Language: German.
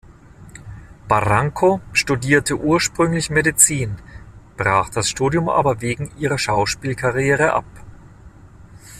Barranco studierte ursprünglich Medizin, brach das Studium aber wegen ihrer Schauspielkarriere ab.